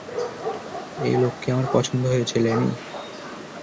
এই লোককে আমার পছন্দ হয়েছে, লেনি।